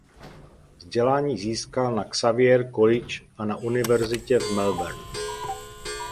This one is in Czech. Vzdělání získal na Xavier College a na Univerzitě v Melbourne.